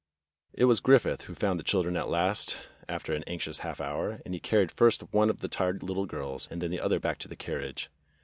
It was Griffith who found the children at last after an anxious half hour, and he carried first one of the tired little girls and then the other back to the car riage.